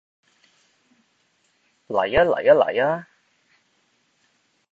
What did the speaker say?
嚟吖嚟吖嚟吖